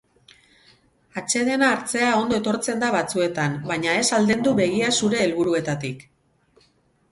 Atsedena hartzea ondo etortzen da batzuetan baina ez aldendu begia zure helburuetatik.